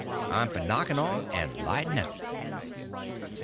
I'm for knocking off and lighting out."